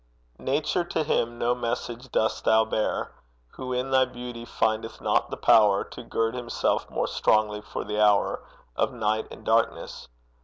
Nature, to him no message dost thou bear, Who in thy beauty findeth not the power To gird himself more strongly for the hour Of night and darkness.